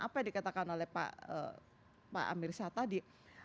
apa yang dikatakan oleh pak amir syah tadi